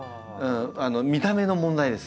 見た目の問題です。